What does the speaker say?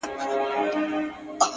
ستا پر مخ د وخت گردونو کړی شپول دی!!